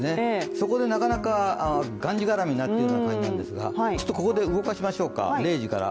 そこでなかなか、がんじがらめになっているような感じなんですがちょっとここで動かしましょうか、０時から。